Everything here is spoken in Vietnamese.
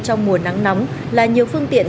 trong mùa nắng nóng là nhiều phương tiện